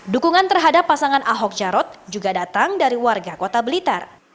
dukungan terhadap pasangan ahok jarot juga datang dari warga kota blitar